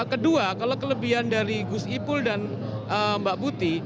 kedua kalau kelebihan dari gus wipul dan mbak buti